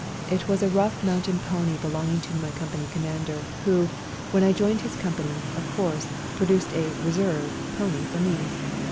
It was a rough mountain pony belonging to my company Commander, who, when I joined his company, of course, produced a " reserve " pony for me.